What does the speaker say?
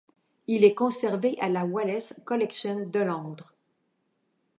Il est conservé à la Wallace Collection de Londres.